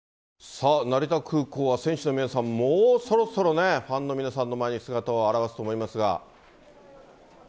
さあ、成田空港は選手の皆さん、もうそろそろね、ファンの皆さんの前に姿を現すと思いますが。